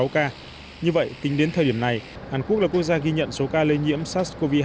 một một trăm bốn mươi sáu ca như vậy tính đến thời điểm này hàn quốc là quốc gia ghi nhận số ca lây nhiễm sars cov hai